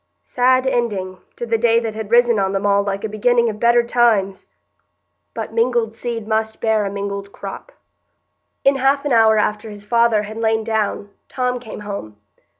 Sad ending to the day that had risen on them all like a beginning of better times! But mingled seed must bear a mingled crop. In half an hour after his father had lain down Tom came home.